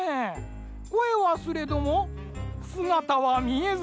こえはすれどもすがたはみえず。